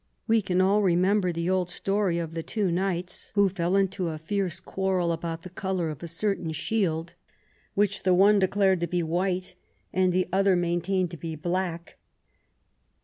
We can all remember the old story of the two knights 49 THE REIGN OF QUEEN ANNE who fell into a fierce quarrel about the color of a certain shield^ which the one declared to be white and the other maintained to be black.